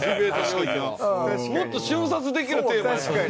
もっと瞬殺できるテーマやったのに。